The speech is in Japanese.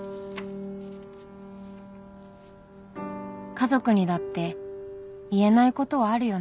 「家族にだって言えないことはあるよね」